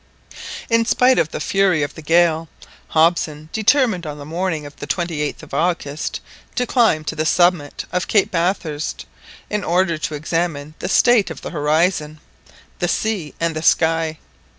In spite of the fury of the gale, Hobson determined on the morning of the 28th of August to climb to the summit of Cape Bathurst, in order to examine the state of the horizon, the sea, and the sky.